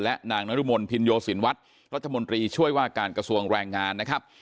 และนางนุรมนธ์พิรโยษินวัฒน์รัฐมนตรีช่วยว่าการกระทรวงแรงงาน